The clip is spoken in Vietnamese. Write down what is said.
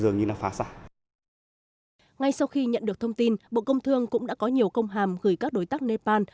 ngay sau khi nhận được thông tin bộ công thương cũng đã có nhiều công hàm gửi các đối tác nepal